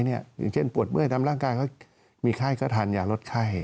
อย่างเช่นปวดเมื่อยตามร่างกายเขามีไข้ก็ทานยาลดไข้